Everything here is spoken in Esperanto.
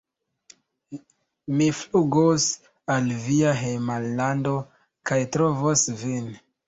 Mi flugos al via hejmlando kaj trovos vin